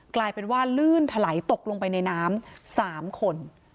กลายเป็นว่าลื่นถลายตกลงไปในน้ำ๓คน